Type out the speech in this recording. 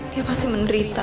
dia pasti menderita